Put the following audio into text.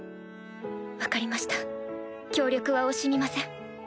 分かりました協力は惜しみません。